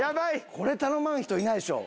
これ頼まん人いないでしょう。